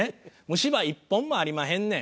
「虫歯１本もありまへんねん」。